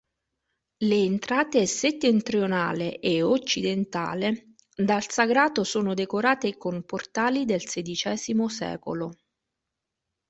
Le entrate settentrionale e occidentale dal sagrato sono decorate con portali del sedicesimo secolo.